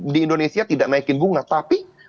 di indonesia tidak naikin bunga tapi